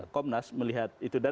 komnas melihat itu